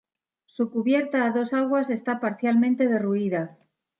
Su cubierta a dos aguas está parcialmente derruida.